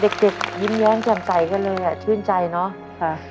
เด็กเด็กยิ้มแย้งกลางใจกันเลยอ่ะชื่นใจเนอะค่ะ